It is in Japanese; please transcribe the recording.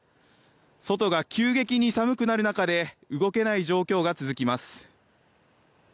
外が急激に寒くなる中で動けない状況が続きます。